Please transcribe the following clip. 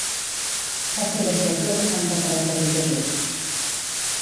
Va ser deixeble de santa Teresa de Jesús.